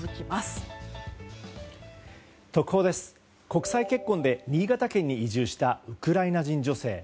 国際結婚で新潟県に移住したウクライナ人女性。